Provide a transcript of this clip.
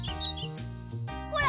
ほら！